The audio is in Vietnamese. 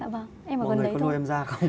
mọi người có lôi em ra không